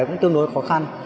cũng tương đối khó khăn